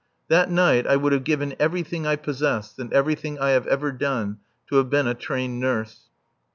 That night I would have given everything I possess, and everything I have ever done, to have been a trained nurse.